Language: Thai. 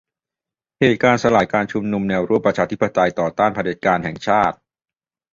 เหตุการณ์สลายการชุมนุมแนวร่วมประชาธิปไตยต่อต้านเผด็จการแห่งชาติ